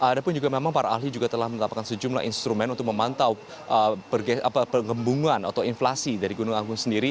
ada pun juga memang para ahli juga telah menetapkan sejumlah instrumen untuk memantau penggembungan atau inflasi dari gunung agung sendiri